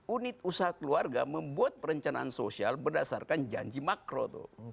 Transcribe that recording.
unit usaha keluarga membuat perencanaan sosial berdasarkan janji makro tuh